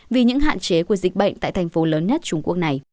vì những hạn chế của dịch bệnh tại thành phố lớn nhất trung quốc này